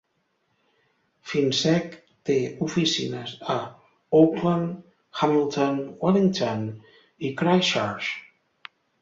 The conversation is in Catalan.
Finsec té oficines a Auckland, Hamilton, Wellington i Christchurch.